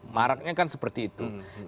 maraknya kan seperti itu